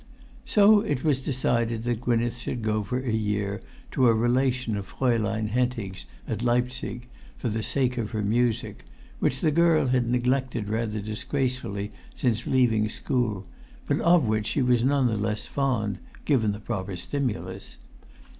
So it was decided that Gwynneth should go for a year to a relation of Fraulein Hentig's at Leipzig, for the sake of her music, which the girl had neglected rather disgracefully since leaving school, but of which she was none the less fond, given the proper stimulus.